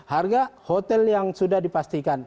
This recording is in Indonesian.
harga hotel yang sudah dipastikan